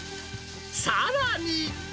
さらに。